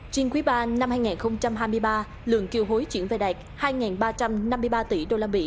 trên quý ba năm hai nghìn hai mươi ba lượng kiều hối chuyển về đạt hai ba trăm năm mươi ba tỷ usd